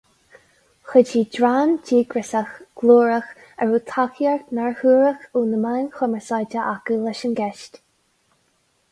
Chuidigh dream díograiseach, glórach a raibh tacaíocht nár shuarach ó na meáin chumarsáide acu leis an gceist.